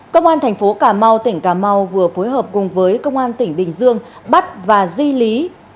công an thành phố cà mau tỉnh cà mau vừa phối hợp cùng với công an tỉnh bình dương bắt và di lý